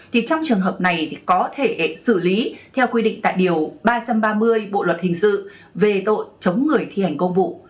thì trong trường hợp này thì có thể xử lý theo quy định tại điều ba trăm ba mươi bộ luật hình sự về tội chống người thi hành công vụ